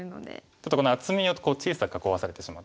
ちょっとこの厚みを小さく囲わされてしまった。